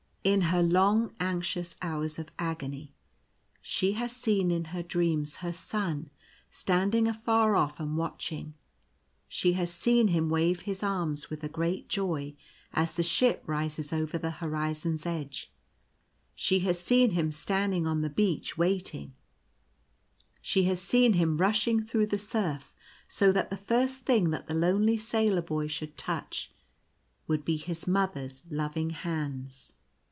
In her long anxious hours of agony she has seen in her dreams her Son standing afar off and watching ; she has seen him wave his arms with a great joy as the ship rises over the horizon's edge; she has seen him standing on the beach waiting; she has seen him rushing through the surf so that the first thing that the lonely Sailor Boy should touch would be his Mother's loving hands. 98 The Mother searches.